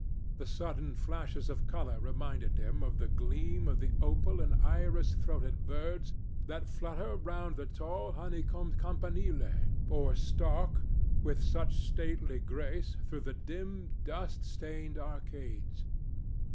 The sudden flashes of colour reminded him of the gleam of the opal and iris throated birds that flutter round the tall honeycombed Campanile, or stalk, with such stately grace, through the dim, dust stained arcades.